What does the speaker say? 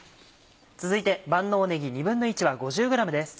続いて万能ねぎ１／２わ５０ｇです。